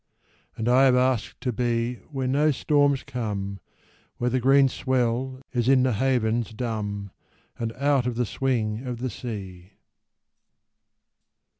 And I have asked to be Where no storms come, Where the green swell is in the havens dumb, And out of the swing of the sea.